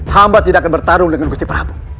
hamba tidak akan bertarung dengan gusti prabowo